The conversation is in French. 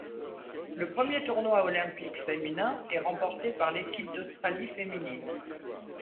Le premier tournoi olympique féminin est remporté par l'équipe d'Australie féminine.